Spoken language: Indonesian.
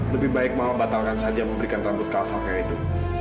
lebih baik mama batalkan saja memberikan rambut kafa ke edo